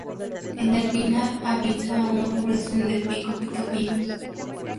En el pinar habita una población de pico picapinos.